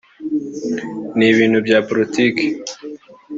ni ibintu bya politiki